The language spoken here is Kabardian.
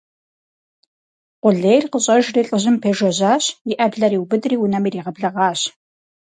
Къулейр къыщӀэжри лӀыжьым пежэжьащ, и Ӏэблэр иубыдри унэм иригъэблэгъащ.